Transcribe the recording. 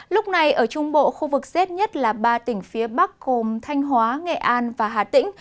lúc này ở trung bộ khu vực rét nhất là ba tỉnh phía bắc gồm thanh hóa nghệ an và hà tĩnh